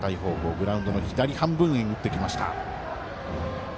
グラウンドの左半分に打ってきました。